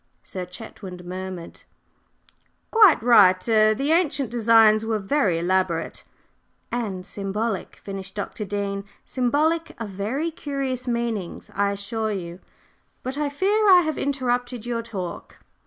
Sir Chetwynd murmured: "Quite right er the ancient designs were very elaborate " "And symbolic," finished Dr. Dean. "Symbolic of very curious meanings, I assure you. But I fear I have interrupted your talk.